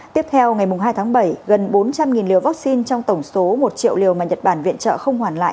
tiếp theo ngày hai tháng bảy gần bốn trăm linh liều vaccine trong tổng số một triệu liều mà nhật bản viện trợ không hoàn lại